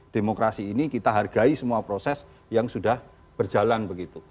demokrasi ini kita hargai semua proses yang sudah berjalan begitu